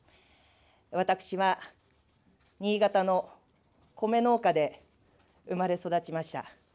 私は新潟の米農家で生まれ育ちました。